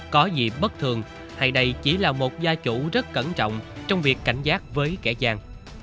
có gì bất thường hay đây chỉ là một gia chủ rất cẩn trọng trong việc cảnh giác với kẻ giang